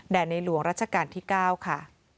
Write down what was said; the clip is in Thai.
ในหลวงรัชกาลที่๙ค่ะ